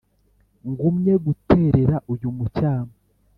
Ngumye guterera uyu mucyamu